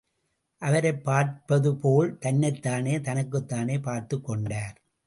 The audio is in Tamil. அவரைப் பார்ப்பதுபோல் தன்னைத்தானே, தனக்குத்தானே... பார்த்துக் கொண்டார்.